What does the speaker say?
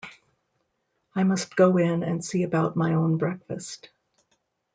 I must go in and see about my own breakfast.